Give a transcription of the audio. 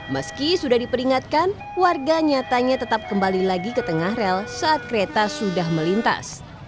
meski sudah diperingatkan warga nyatanya tetap kembali lagi ke tengah rel saat kereta sudah melintas